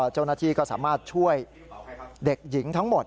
เจ้าหน้าที่ก็สามารถช่วยเด็กหญิงทั้งหมด